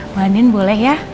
mbak anin boleh ya